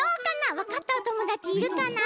わかったおともだちいるかな？